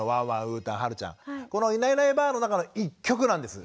うーたんはるちゃんこの「いないいないばあっ！」の中の一曲なんです。